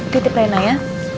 titip rena ya